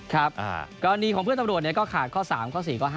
ครับกรณีของเพื่อนตำรวจก็ขาดข้อ๓ข้อ๔ข้อ๕